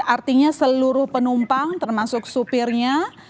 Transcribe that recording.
artinya seluruh penumpang termasuk supirnya